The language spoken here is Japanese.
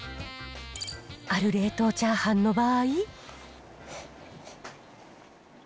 ある冷凍チャーハンの場合。